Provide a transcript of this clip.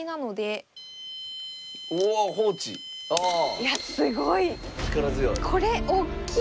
いやすごい。